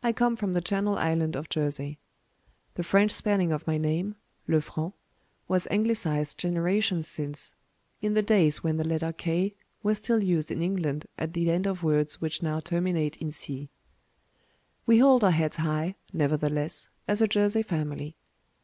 I come from the channel Island of Jersey. The French spelling of my name (Lefranc) was Anglicized generations since in the days when the letter "k" was still used in England at the end of words which now terminate in "c." We hold our heads high, nevertheless, as a Jersey family.